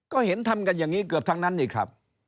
ก็เห็นทำกันอย่างนี้เกือบทั้งนั้นนี่ครับ